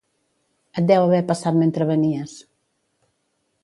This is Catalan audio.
Et deu haver passat mentre venies